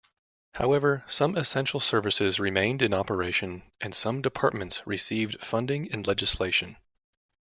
However, some essential services remained in operation and some departments received funding in legislation.